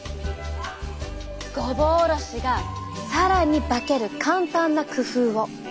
ごぼおろしが更に化ける簡単な工夫を！